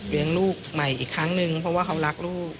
ลูกใหม่อีกครั้งนึงเพราะว่าเขารักลูก